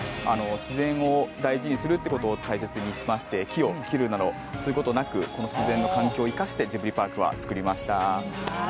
自然を大事にするということを大切にしまして木を切るなど、そういうことなくこの自然の環境を生かしてジブリパークは作りました。